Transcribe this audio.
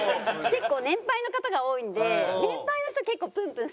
結構年配の方が多いんで年配の人結構「ぷんぷん」